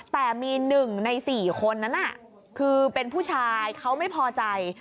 แต่มี๑ใน๔คนนั้นคือเป็นผู้ชายเขาไม่พอใจ